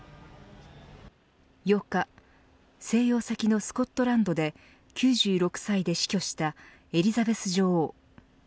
８日、静養先のスコットランドで９６歳で死去したエリザベス女王。